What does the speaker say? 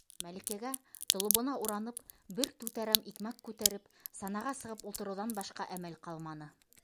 Мәликәгә, толобона уранып, бер түтәрәм икмәк күтәреп, санаға сығып ултырыуҙан башҡа әмәл ҡалманы...